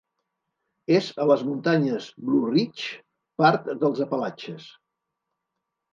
És a les muntanyes Blue Ridge, part dels Apalatxes.